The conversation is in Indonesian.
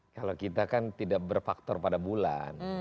kalau kita kan tidak berfaktor pada bulan